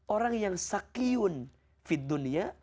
orang yang sakiun fit dunia